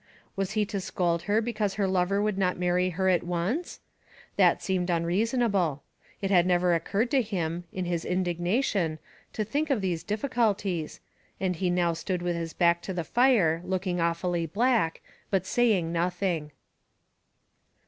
Was he to scold her because her lover would not marry her at once? That seemed unreasonable. It had never occurred to him, in his indignation, to think of these difficulties, and he now stood with his back to the fire, looking awfully black, but saying nothing.